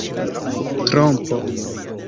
trompo